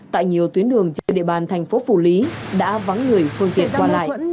tại nhiều tuyến đường trên địa bàn thành phố phủ lý đã vắng người phương diện qua lại